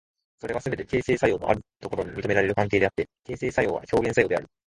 それはすべて形成作用のあるところに認められる関係であって、形成作用は表現作用であり、